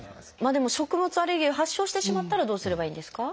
でも食物アレルギーを発症してしまったらどうすればいいんですか？